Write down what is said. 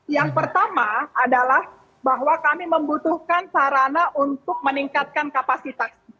yang pertama adalah bahwa kami membutuhkan sarana untuk meningkatkan kapasitas